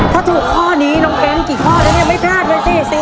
ถ้าถูกข้อนี้น้องแก๊งกี่ข้อแล้วเนี่ยไม่พลาดเลยสิ